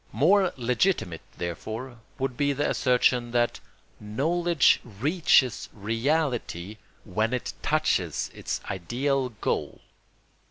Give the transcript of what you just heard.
More legitimate, therefore, would be the assertion that knowledge reaches reality when it touches its ideal goal.